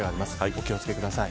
お気をつけください。